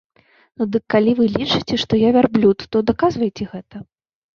Ну дык калі вы лічыце, што я вярблюд, то даказвайце гэта.